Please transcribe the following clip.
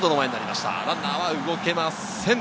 ランナー、動けません。